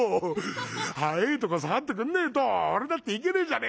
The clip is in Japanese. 早えとこ触ってくんねえと俺だって行けねえじゃねえかよ。